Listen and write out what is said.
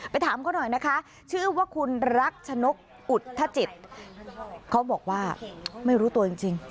ถามเขาหน่อยนะคะชื่อว่าคุณรักชนกอุทธจิตเขาบอกว่าไม่รู้ตัวจริง